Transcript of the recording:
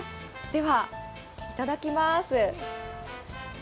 では、いただきます。